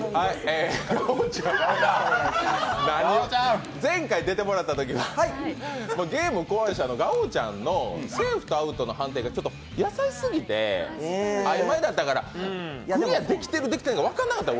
ガオちゃん、前回出てもらったとき、ゲーム考案者のガオちゃんのセーフとアウトの判定が優しすぎてあいまいだったから、クリアできてるかできてないか分からなかった。